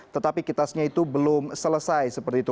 tetapi kitasnya itu belum selesai seperti itu